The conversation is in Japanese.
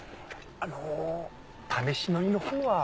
あの試し乗りのほうは？